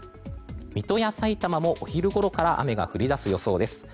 水戸やさいたまもお昼ごろから雨が降り出す予想です。